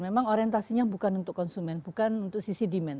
memang orientasinya bukan untuk konsumen bukan untuk sisi demand